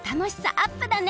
アップだね。